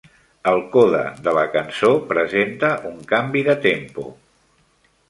El coda de la cançó presenta un canvi de tempo.